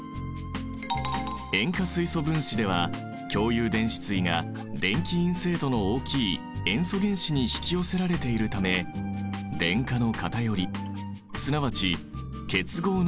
塩化水素分子では共有電子対が電気陰性度の大きい塩素原子に引き寄せられているため電荷の偏りすなわち結合の極性が生じている。